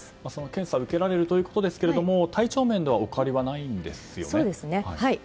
検査を受けられるということですが体調面ではお変わりはないんですよね。